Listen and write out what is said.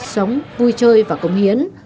sống vui chơi và công hiến